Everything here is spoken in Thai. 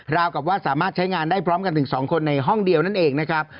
กับว่าสามารถใช้งานได้พร้อมกันถึง๒คนในห้องเดียวนั่นเองนะครับ